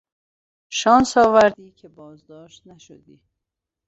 شانس آوردی که بازداشت نشدی.